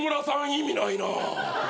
意味ないな。